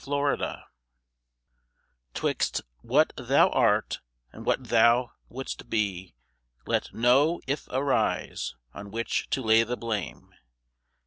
=If= Twixt what thou art, and what thou wouldst be, let No "If" arise on which to lay the blame.